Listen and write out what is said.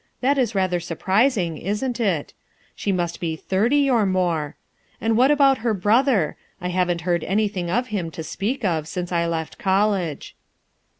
That is rather surprising, isn't it? She must be thirty or more. And what about her brother? I haven't heard anything of him to speak of, since I left college."